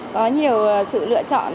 có nhiều sự lựa chọn